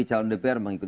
calon dpr mengikuti